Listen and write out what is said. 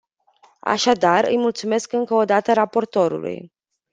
Așadar, îi mulțumesc încă o dată raportorului.